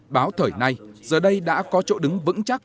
báo thời nay giờ đây đã có chỗ đứng vững chắc